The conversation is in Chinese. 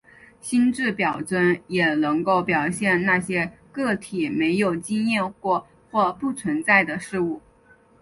心智表征也能够表现那些个体没有经验过或不存在的事物。